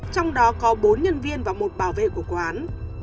trong đó có bốn nhân viên và một bảo vệ của quán